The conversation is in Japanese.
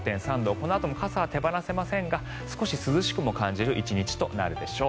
このあとも傘は手放せませんが少し涼しくも感じる１日となるでしょう。